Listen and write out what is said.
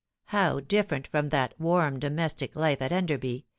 How different from that warm domestic life at Enderby